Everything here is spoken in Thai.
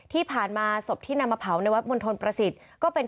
ที่ผ่านมาศพที่นำมาเผาในวัดมณฑลประสิทธิ์ก็เป็น